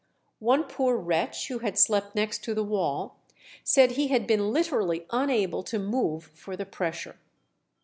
One poor wretch, who had slept next the wall, said he had been literally unable to move for the pressure.